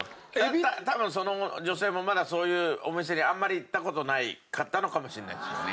多分その女性もまだそういうお店にあんまり行った事なかったのかもしれないですよね。